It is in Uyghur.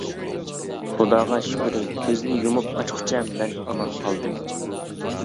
خۇداغا شۈكرى كۆزنى يۇمۇپ ئاچقۇچە مەن ئامان قالدىم.